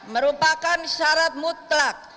merupakan syarat mutlak